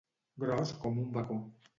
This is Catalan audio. Gros com un bacó.